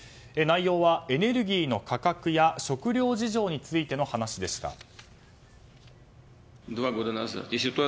内容は、エネルギーの価格や食料事情についての話でした。